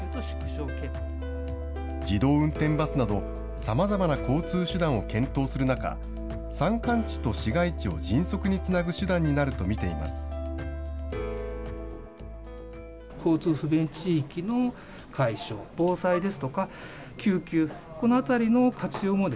自動運転バスなど、さまざまな交通手段を検討する中、山間地と市街地を迅速につなぐ手段になると見ています。